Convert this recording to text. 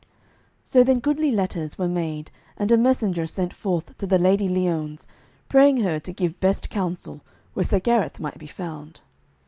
So then goodly letters were made and a messenger sent forth to the Lady Liones, praying her to give best counsel where Sir Gareth might be found.